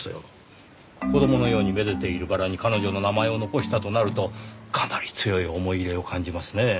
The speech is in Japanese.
子供のように愛でているバラに彼女の名前を残したとなるとかなり強い思い入れを感じますねぇ。